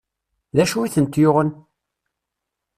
D acu i tent-yuɣen?